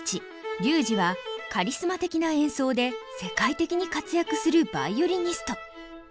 龍仁はカリスマ的な演奏で世界的に活躍するヴァイオリニスト。